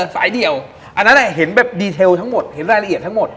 สายเดี่ยวอันนั้นเห็นแบบดีเทลทั้งหมดเห็นรายละเอียดทั้งหมด